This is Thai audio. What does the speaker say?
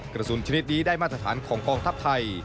กระสุนชนิดดีได้มาตรฐานของกองทัพไทย